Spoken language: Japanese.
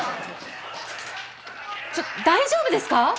ちょっと大丈夫ですか？